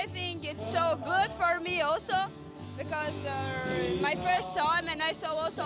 saya pikir ini sangat bagus untuk saya juga karena ini adalah pertama kali saya berada di konferensi ini